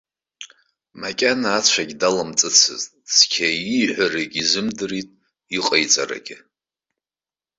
Макьана ацәагьы далымҵыцызт цқьа ииҳәарагьы изымдырит, иҟаиҵарагьы.